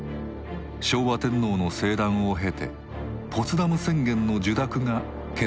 昭和天皇の聖断を経てポツダム宣言の受諾が決定されます。